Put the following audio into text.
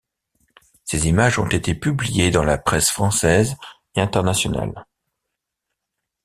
Ses images ont été publiées dans la presse française et internationale.